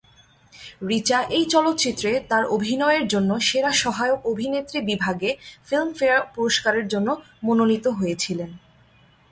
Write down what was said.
রিচা এই চলচ্চিত্রে তাঁর অভিনয়ের জন্য সেরা সহায়ক অভিনেত্রী বিভাগে ফিল্মফেয়ার পুরস্কারের জন্য মনোনীত হয়েছিলেন।